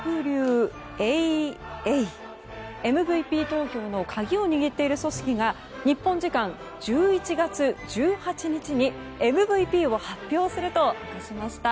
ＭＶＰ投票の鍵を握っている組織が日本時間１１月１８日にＭＶＰを発表すると明かしました。